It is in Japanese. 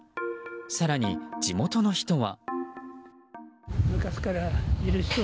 更に地元の人は。